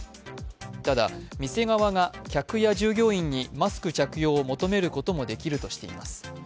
ただ、店側が客や従業員にマスク着用を求めることもできるとしています。